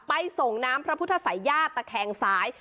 ไปส่งน้ำพระพุทธศัยยาตรแข่งซ้าย